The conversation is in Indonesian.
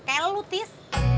kayak lu tis